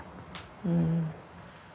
うん。